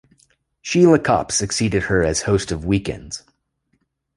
Sheila Copps succeeded her as host of "Weekends".